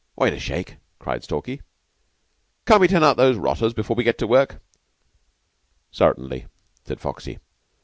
"Wait a shake," cried Stalky. "Can't we turn out those rotters before we get to work?" "Certainly," said Foxy.